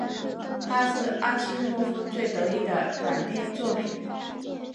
它是阿西莫夫最得意的短篇作品。